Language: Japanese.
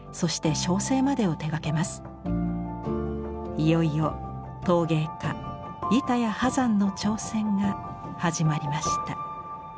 いよいよ陶芸家板谷波山の挑戦が始まりました。